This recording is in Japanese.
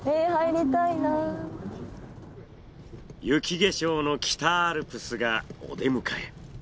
雪化粧の北アルプスがお出迎え。